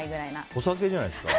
お酒じゃないですか？